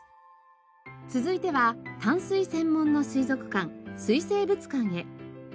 続いては淡水専門の水族館水生物館へ。